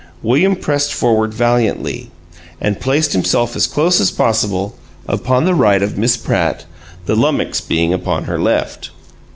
William pressed forward valiantly, and placed himself as close as possible upon the right of Miss Pratt, the lummox being upon her left.